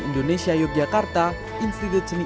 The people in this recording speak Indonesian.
indonesia yogyakarta institut seni